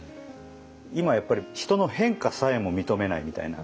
今やっぱり人の変化さえも認めないみたいな。